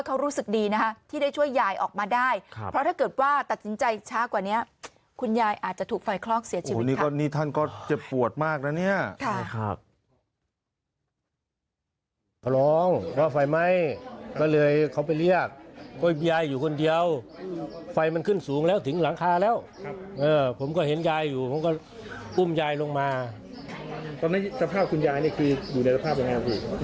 ตอนนั้นสภาพคุณยายนี่คืออยู่ในสภาพอย่างไรบ้าง